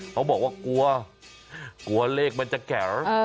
เขาบอกว่ากลัวเลขมันจะแก๋ล